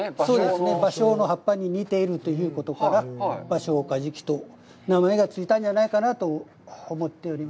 そうですね、バショウの葉っぱに似ているということから、バショウカジキと名前がついたんじゃないかなと思っております。